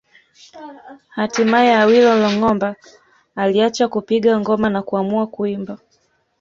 Hatimaye Awilo Longomba aliacha kupiga ngoma na kuamua kuimba